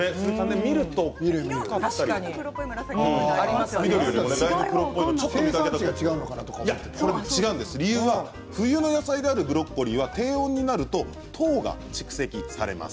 黒っぽいものと緑っぽいものがあって冬の野菜であるブロッコリーは低温になると糖が蓄積されます。